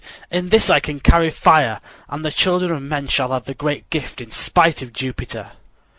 In this I can carry fire, and the children of men shall have the great gift in spite of Jupiter."